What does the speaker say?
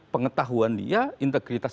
pengetahuan dia integritas